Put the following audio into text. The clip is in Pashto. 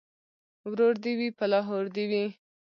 ـ ورور دې وي په لاهور دې وي.